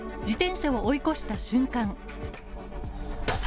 自転車を追い越した瞬間